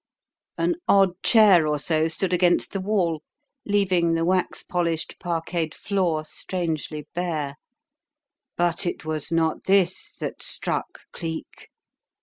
An odd chair or so stood against the wall, leaving the wax polished parquetted floor strangely bare. But it was not this that struck Cleek.